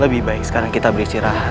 lebih baik sekarang kita beristirahat